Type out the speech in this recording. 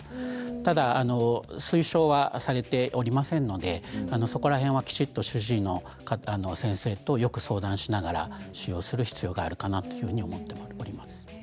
ただ推奨はされておりませんのでその辺りはきちんと主治医の先生とよく相談しながら使用する必要があるかなと思っております。